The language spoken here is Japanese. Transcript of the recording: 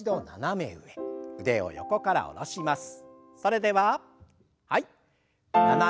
腕を下ろします。